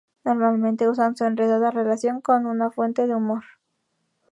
Normalmente usan su enredada relación como una fuente de humor.